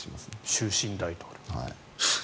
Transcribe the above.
終身大統領。